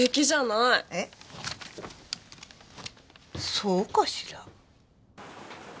そうかしら？